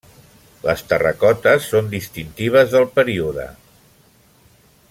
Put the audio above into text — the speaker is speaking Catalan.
Les terracotes són distintives del període.